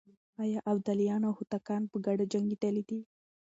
آيا ابداليان او هوتکان په ګډه جنګېدلي دي؟